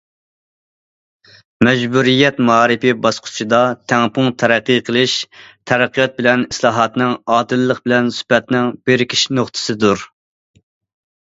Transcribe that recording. مەجبۇرىيەت مائارىپى باسقۇچىدا،‹‹ تەڭپۇڭ تەرەققىي قىلىش›› تەرەققىيات بىلەن ئىسلاھاتنىڭ، ئادىللىق بىلەن سۈپەتنىڭ بىرىكىش نۇقتىسىدۇر.